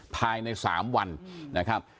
ภายใน๓วันนะครับ